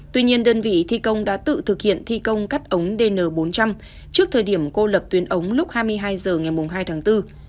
tuy nhiên đơn vị thi công đã tự thực hiện thi công cắt ống dn bốn trăm linh trước thời điểm cô lập tuyến ống lúc hai mươi hai h ngày hai tháng bốn